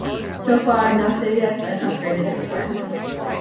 So far no city has been upgraded this way.